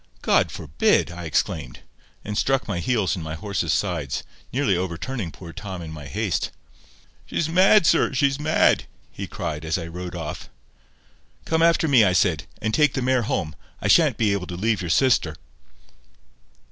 "God forbid!" I exclaimed, and struck my heels in my horse's sides, nearly overturning poor Tom in my haste. "She's mad, sir; she's mad," he cried, as I rode off. "Come after me," I said, "and take the mare home. I shan't be able to leave your sister."